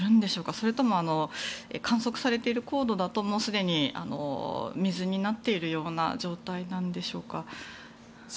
それとも観測されている高度だともうすでに水になっているような状態なんでしょうか。